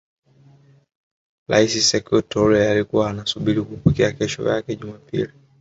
Rais sekou Toure alikuwa anasubiri kuupokea kesho yake Jumapili